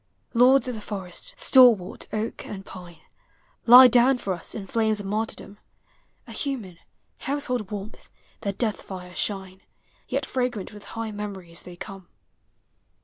Lords of the forest, stalwart oak and pine, Lie down for us in flames of martyrdom : A human, household warmth, their death fires shine; Yet fragrant with high memories they come, 2JJ4 POEMS OF HOME.